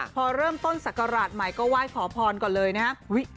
พอเริ่มต้นศักราชใหม่ก็ไหว้ขอพรก่อนเลยนะครับ